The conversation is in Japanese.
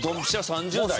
３０代か。